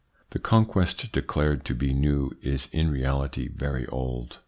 The conquest declared to be new is in reality very old.